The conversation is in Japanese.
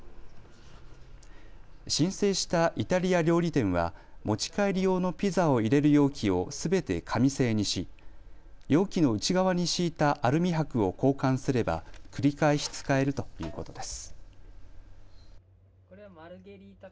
申請したイタリア料理店は持ち帰り用のピザを入れる容器をすべて紙製にし、容器の内側に敷いたアルミはくを交換すれば繰り返し使えるということです。